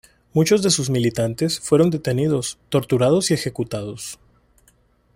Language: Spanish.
Muchos de sus militantes fueron detenidos, torturados y ejecutados.